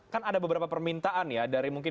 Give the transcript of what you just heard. kan ada beberapa permintaan ya dari mungkin